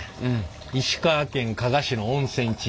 石川県加賀市の温泉地